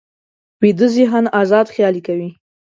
ویده ذهن ازاد خیالي کوي